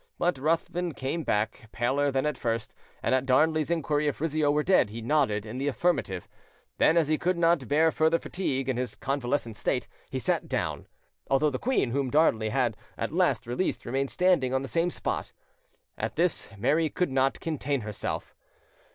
But Ruthven came back, paler than at first, and at Darnley's inquiry if Rizzio were dead, he nodded in the affirmative; then, as he could not bear further fatigue in his convalescent state, he sat down, although the queen, whom Darnley had at last released, remained standing on the same spot. At this Mary could not contain herself.